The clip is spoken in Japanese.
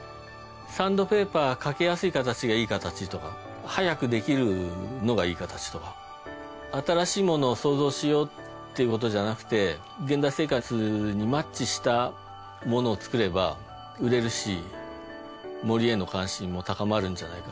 サンドペーパーかけやすい形がいい形とか早くできるのがいい形とか新しいものを創造しようっていうことじゃなくて現代生活にマッチしたものを作れば売れるし森への関心も高まるんじゃないか。